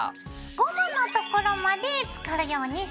ゴムのところまでつかるようにします。